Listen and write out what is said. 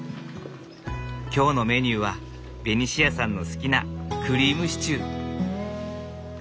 今日のメニューはベニシアさんの好きなクリームシチュー。